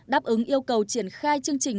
đáp ứng yêu cầu triển khai chương trình